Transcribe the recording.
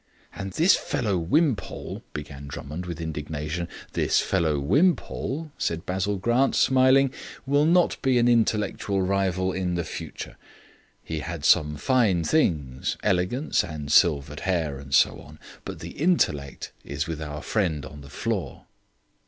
"And this fellow Wimpole " began Drummond with indignation. "This fellow Wimpole," said Basil Grant, smiling, "will not be an intellectual rival in the future. He had some fine things, elegance and silvered hair, and so on. But the intellect is with our friend on the floor."